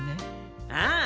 ああ。